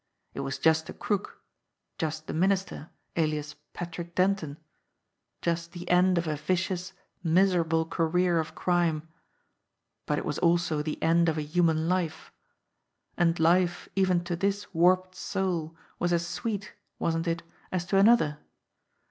It was just a crook, just the Minister, alias Patrick Denton, just the end of a vicious, miserable career of crime but it was also the end of a human life. And life even to this warped soul was as sweet, wasn't it, as to another